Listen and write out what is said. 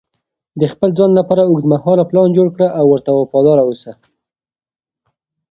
د خپل ځان لپاره اوږدمهاله پلان جوړ کړه او ورته وفادار اوسه.